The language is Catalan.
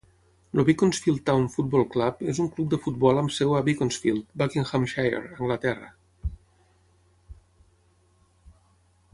El Beaconsfield Town Football Club és un club de futbol amb seu a Beaconsfield, Buckinghamshire, Anglaterra.